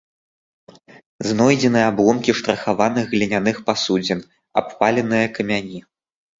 Знойдзены абломкі штрыхаваных гліняных пасудзін, абпаленыя камяні.